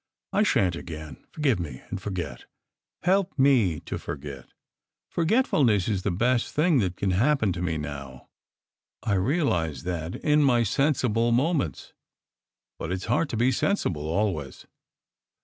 I shan t again. Forgive me, and forget. Help me to forget ! Forge tfulness is the best thing that can happen to me now. I realize that in my sensible moments. But it s hard to be sensible always."